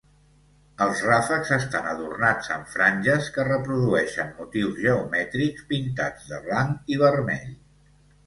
Els ràfecs estan adornats amb franges que reprodueixen motius geomètrics pintats de blanc i vermell.